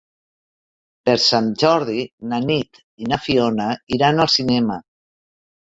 Per Sant Jordi na Nit i na Fiona iran al cinema.